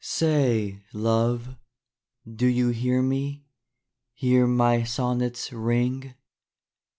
Say, love, do you hear me, Hear my sonnets ring